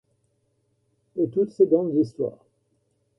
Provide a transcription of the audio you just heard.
et toutes ces grandes histoires.